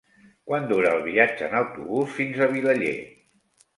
Quant dura el viatge en autobús fins a Vilaller?